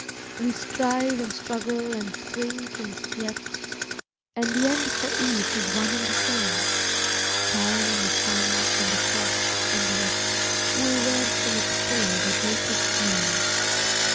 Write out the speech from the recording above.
We strive and struggle and swink and sweat, And the end for each is one and the same; Time and the sun and the frost and wet Will wear from its pillar the greatest name.